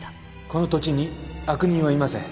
この土地に悪人はいません。